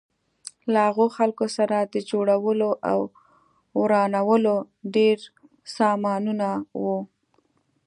له هغو خلکو سره د جوړولو او ورانولو ډېر سامانونه وو.